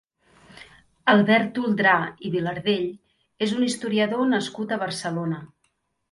Albert Toldrà i Vilardell és un historiador nascut a Barcelona.